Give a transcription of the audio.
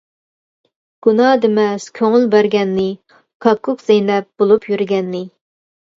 گۇناھ دېمەس كۆڭۈل بەرگەننى، كاككۇك-زەينەپ بولۇپ يۈرگەننى.